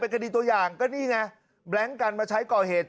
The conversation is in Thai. คดีตัวอย่างก็นี่ไงแบล็งกันมาใช้ก่อเหตุ